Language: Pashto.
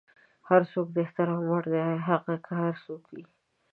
هر څوک د احترام وړ دی، هغه که هر څوک وي.